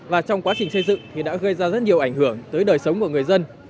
và trong quá trình xây dựng thì đã gây ra rất nhiều ảnh hưởng tới đời sống của người dân